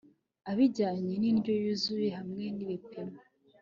ibijyanye n'indyo yuzuye hamwe n'ibipimo